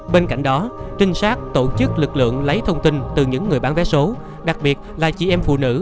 bên cạnh đó trinh sát tổ chức lực lượng lấy thông tin từ những người bán vé số đặc biệt là chị em phụ nữ